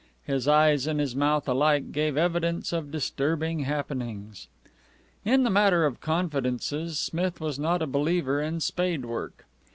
His eyes and his mouth alike gave evidence of disturbing happenings. In the matter of confidences, Smith was not a believer in spade work.